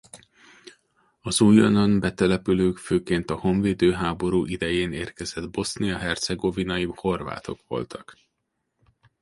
Az újonnan betelepülők főként a honvédő háború idején érkezett bosznia hercegovinai horvátok voltak.